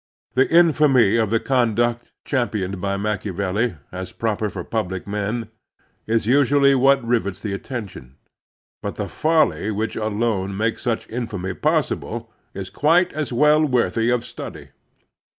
The infamy of the conduct championed by Machiavelli as proper for public men is usually what rivets the attention, but the folly which alone makes such infamy possible is quite as well worthy of study.